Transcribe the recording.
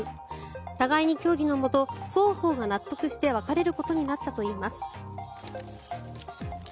互いに協議のもと双方が納得して別れることになったといいます。